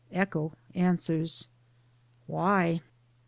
"Echo answers Why?'"